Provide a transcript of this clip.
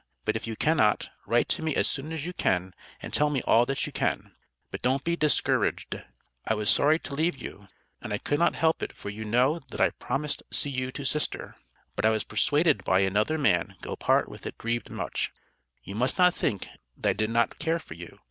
But if you cannot, write to me as soon as you can and tell me all that you can But don't be Desscuredged I was sory to leave you, and I could not help it for you know that I promest see you to sister, But I was persuaded By Another man go part with it grived mutch, you must not think that I did not care for you.